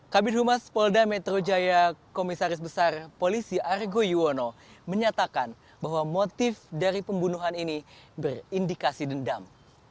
kabin humas polda metro jaya komisaris besar polisi argo yuwono menyatakan bahwa motif dari pembunuhan ini berindikasi dendam